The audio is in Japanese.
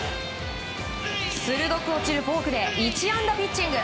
鋭く落ちるフォークで１安打ピッチング。